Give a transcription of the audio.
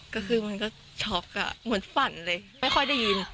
ก็คือมันก็ช็อกเหมือนฝันเลยไม่ค่อยได้ยิน